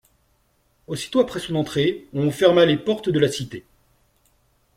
Aussitôt après son entrée, on ferma les portes de la cité.